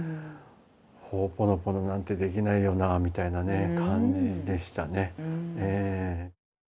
ホオポノポノなんてできないよなみたいなね感じでしたね。